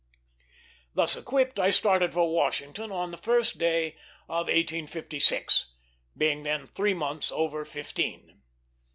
Thus equipped, I started for Washington on the first day of 1856, being then three months over fifteen.